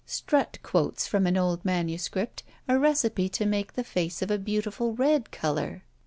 Strutt quotes from an old MS. a recipe to make the face of a beautiful red colour.